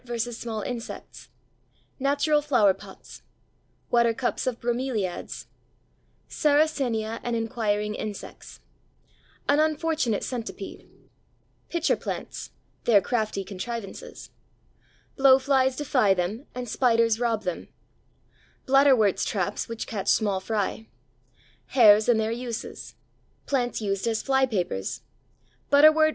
_ small insects Natural flower pots Watercups of Bromeliads Sarracenia and inquiring insects An unfortunate centipede Pitcher plants: their crafty contrivances Blowflies defy them and spiders rob them Bladderwort's traps which catch small fry Hairs and their uses Plants used as fly papers Butterwort _v.